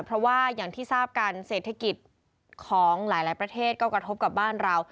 เพราะว่าอย่างที่ทราบกันเศรษฐกิจของหลายประเทศก็กระทบกับบ้านเรา